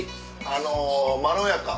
あのまろやか。